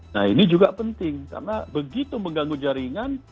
nah ini juga penting karena begitu mengganggu jaringan